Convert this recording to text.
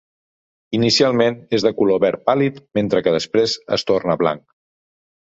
Inicialment és de color verd pàl·lid mentre que després es torna blanc.